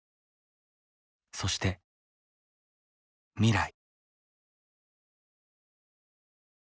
そして未来。